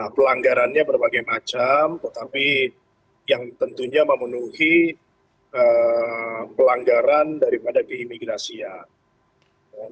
pelanggarannya berbagai macam tetapi yang tentunya memenuhi pelanggaran daripada keimigrasian